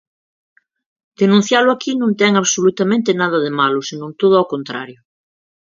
Denuncialo aquí non ten absolutamente nada de malo, senón todo o contrario.